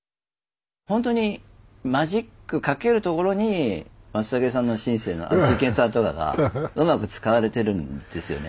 ほんとにマジックかけるところに松武さんのシンセのあのシーケンサーとかがうまく使われてるんですよね。